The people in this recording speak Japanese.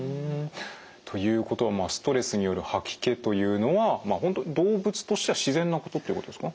ということはストレスによる吐き気というのは本当動物としては自然なことっていうことですか？